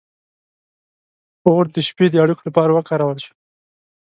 • اور د شپې د اړیکو لپاره وکارول شو.